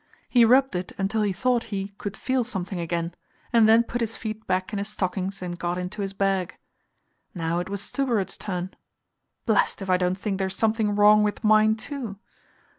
He rubbed it until he thought he "could feel something again," and then put his feet back in his stockings and got into his bag. Now it was Stubberud's turn. "Blest if I don't think there's something wrong with mine, too."